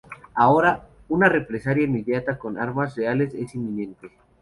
Ahora, una represalia inmediata con armas reales es inminente.